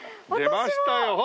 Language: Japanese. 出ましたよほら！